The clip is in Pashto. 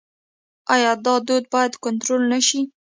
آیا دا دود باید کنټرول نشي؟